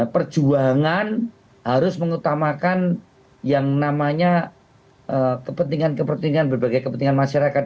perjuangan harus mengutamakan yang namanya kepentingan kepentingan berbagai kepentingan masyarakat